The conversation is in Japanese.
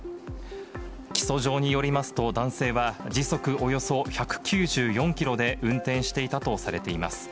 起訴状によりますと、男性は時速およそ１９４キロで運転していたとされています。